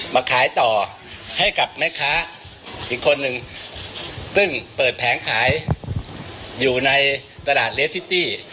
มาขายต่อให้กับแม่ค้าอีกคนนึงซึ่งเปิดแผงขายอยู่ในตลาดเลสซิตี้